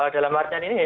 dalam artian ini ya